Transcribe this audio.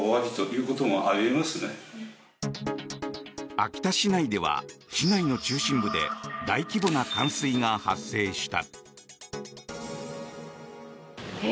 秋田市内では、市内の中心部で大規模な冠水が発生した。